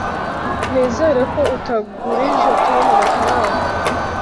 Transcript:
nizere ko utagurije tom amafaranga